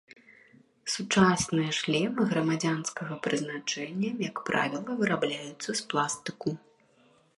Сучасныя шлемы грамадзянскага прызначэння, як правіла, вырабляюцца з пластыку.